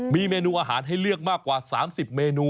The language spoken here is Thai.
มีเมนูอาหารให้เลือกมากกว่า๓๐เมนู